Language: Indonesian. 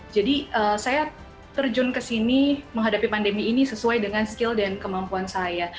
jadi saya terjun ke sini menghadapi pandemi ini sesuai dengan skill dan kemampuan saya